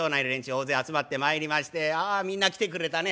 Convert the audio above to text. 大勢集まってまいりまして「あみんな来てくれたね。